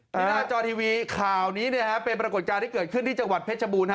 หน้าจอทีวีข่าวนี้เป็นปรากฏการณ์ที่เกิดขึ้นที่จังหวัดเพชรบูรณ